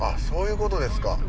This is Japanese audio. そういうことですか。